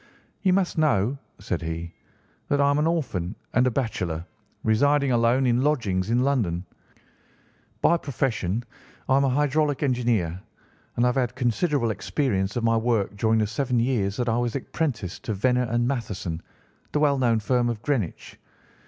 "You must know," said he, "that I am an orphan and a bachelor, residing alone in lodgings in London. By profession I am a hydraulic engineer, and I have had considerable experience of my work during the seven years that I was apprenticed to Venner & Matheson, the well known firm, of Greenwich.